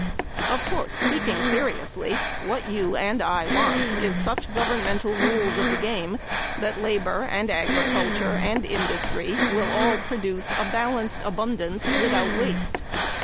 Of course, speaking seriously, what you and I want is such governmental rules of the game that labor and agriculture and industry will all produce a balanced abundance without waste.